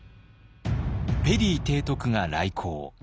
ペリー提督が来航。